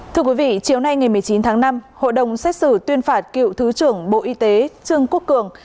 thưa quý vị chiều nay ngày một mươi chín tháng năm hội đồng xét xử tuyên phạt cựu thứ trưởng bộ y tế trương quốc cường